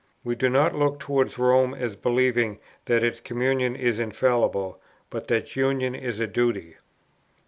We do not look towards Rome as believing that its communion is infallible, but that union is a duty."